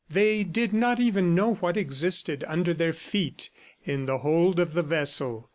They did not even know what existed under their feet, in the hold of the vessel.